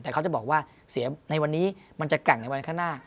แต่เขาจะบอกว่าเสียในวันนี้มันจะแกร่งในวันข้างหน้า